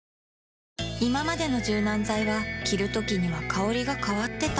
いままでの柔軟剤は着るときには香りが変わってた